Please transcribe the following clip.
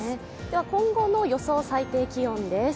では今後の予想最高気温です。